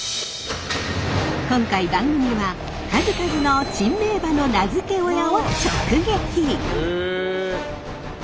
今回番組は数々の珍名馬の名付け親を直撃！